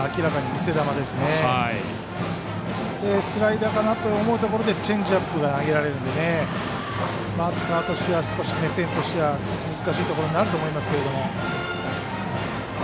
スライダーかなと思うところでチェンジアップが投げられるのでバッターとしては少し目線としては難しいところになると思いますけど。